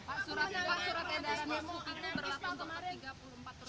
pak surat surat kendaraan yang bukti itu berlaku untuk tiga puluh empat perusahaan